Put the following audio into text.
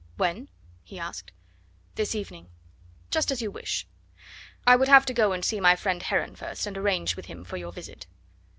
"When?" he asked. "This evening." "Just as you wish. I would have to go and see my friend Heron first, and arrange with him for your visit."